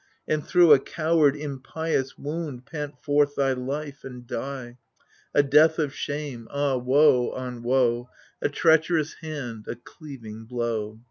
And thro' a coward, impious wound Pant forth thy life and die I A death of shame — ah woe on woe ! A treach'rous hand, a cleaving blow